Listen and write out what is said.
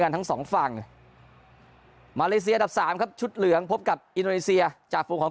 ทั้งสองฝั่งมาเลเซียอันดับสามครับชุดเหลืองพบกับอินโดนีเซียจากฟูของ